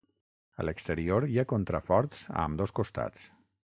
A l'exterior hi ha contraforts a ambdós costats.